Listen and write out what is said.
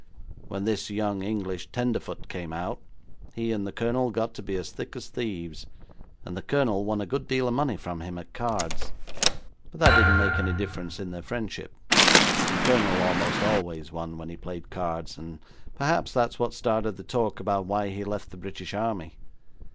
When this young English tenderfoot came out, he and the Colonel got to be as thick as thieves, and the Colonel won a good deal of money from him at cards, but that didn't make any difference in their friendship. The Colonel most always won when he played cards, and perhaps that's what started the talk about why he left the British army.